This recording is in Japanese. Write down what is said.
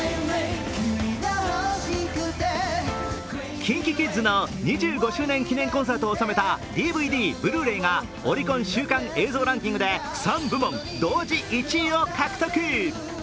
ＫｉｎＫｉＫｉｄｓの２５周年記念コンサートを収めたＤＶＤ・ブルーレイがオリコン週間映像ランキングで３部門同時１位を獲得。